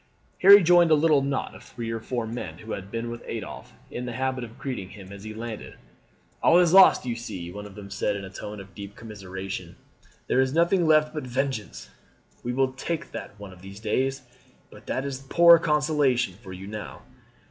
Harry joined a little knot of three or four men who had been, with Adolphe, in the habit of greeting him when he landed. "All is lost, you see!" one of them said in a tone of deep commiseration. "There is nothing left but vengeance we will take that one of these days but that is a poor consolation for you now."